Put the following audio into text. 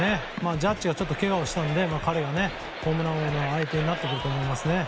ジャッジがちょっとけがをしたので彼がホームラン王の相手になってくると思いますね。